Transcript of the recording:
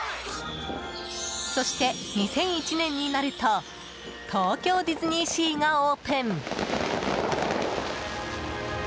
そして、２００１年になると東京ディズニーシーがオープン。